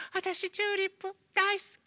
チューリップだいすき。